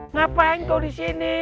ngapain kau di sini